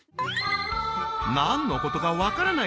何のことか分からない